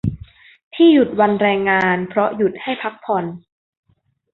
ที่หยุดวันแรงงาน เพราะหยุดให้พักผ่อน